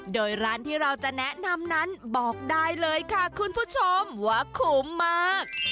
โดยร้านที่เราจะแนะนำนั้นบอกได้เลยค่ะคุณผู้ชมว่าคุ้มมาก